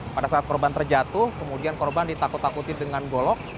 pada saat korban terjatuh kemudian korban ditakut takuti dengan golok